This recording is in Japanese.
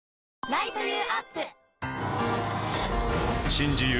新自由